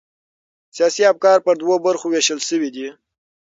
سیاسي افکار پر دوو برخو وېشل سوي دي.